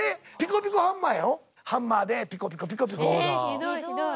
ひどいひどい。